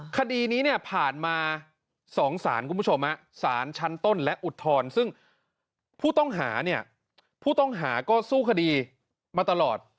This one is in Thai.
คดีนี้ผ่านมา๒ศาลคุณผู้ชมศาลชั้นต้นและอุทธรรมซึ่งผู้ต้องหาก็สู้คดีมาตลอด